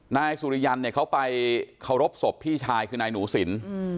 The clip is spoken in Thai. นายสุริยันเนี่ยเขาไปเคารพศพพี่ชายคือนายหนูสิน